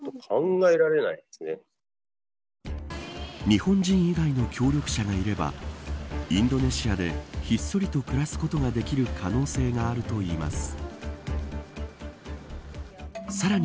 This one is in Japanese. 日本人以外の協力者がいればインドネシアでひっそりと暮らすことができる可能性があるといいます。